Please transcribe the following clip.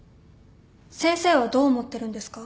先生はどう思ってるんですか？